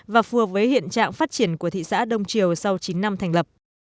và phù hợp với hiện trạng phát triển của thị xã đông triều sau chín năm thành lập